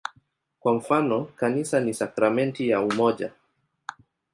Kwa mfano, "Kanisa ni sakramenti ya umoja".